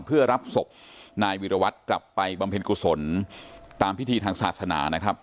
เพื่อรับศพนายวิรวัตรกลับไปบำเพ็ญกุศลตามพิธีทางศาสนานะครับ